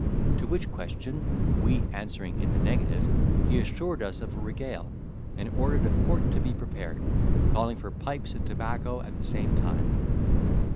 To which question we answering in the negative, he assured us of a regale, and ordered a quart to be prepared, calling for pipes and tobacco at the same time.